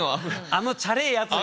あのチャれえやつが。